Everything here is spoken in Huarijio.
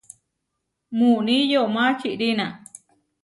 Muuní yomá čiʼrína.